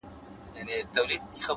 مثبت چلند ستونزې سپکوي!